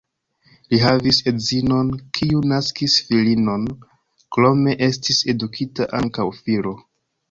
Li havis edzinon, kiu naskis filinon, krome estis edukita ankaŭ filo.